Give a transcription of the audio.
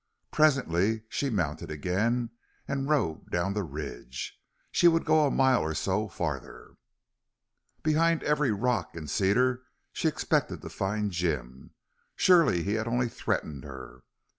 Presently she mounted again and rode down the ridge. She would go a mile or so farther. Behind every rock and cedar she expected to find Jim. Surely he had only threatened her.